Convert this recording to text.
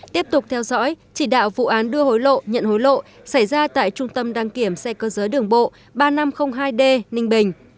tiếp tục theo dõi chỉ đạo vụ án đưa hối lộ nhận hối lộ xảy ra tại trung tâm đăng kiểm xe cơ giới đường bộ ba nghìn năm trăm linh hai d ninh bình